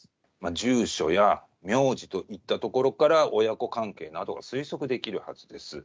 住所や名字といったところから、親子関係などが推測できるはずです。